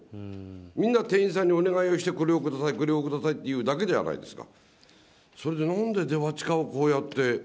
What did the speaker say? みんな、店員さんにお願いをして、これをください、これをくださいって言うだけじゃないですか。